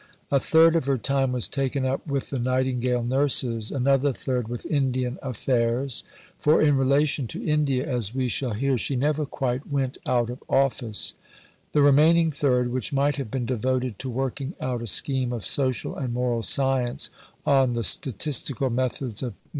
A third of her time was taken up with the Nightingale Nurses; another third with Indian affairs (for in relation to India, as we shall hear, she never quite "went out of office"); the remaining third, which might have been devoted to working out a scheme of social and moral science on the statistical methods of M.